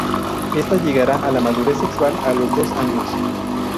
Esta llegará a la madurez sexual a los dos años.